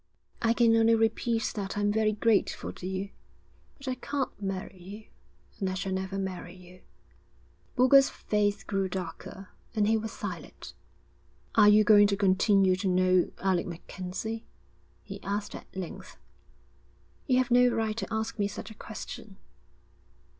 'I can only repeat that I'm very grateful to you. But I can't marry you, and I shall never marry you.' Boulger's face grew darker, and he was silent. 'Are you going to continue to know Alec MacKenzie?' he asked at length. 'You have no right to ask me such a question.'